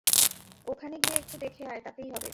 ওখানে গিয়ে একটু দেখে আই, তাতেই হবে?